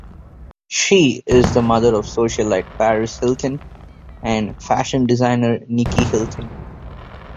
She is the mother of socialite Paris Hilton and fashion designer Nicky Hilton.